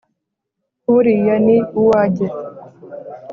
nkuriya ni uwajye”